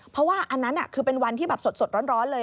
เพราะว่าอันนั้นคือเป็นวันที่แบบสดร้อนเลย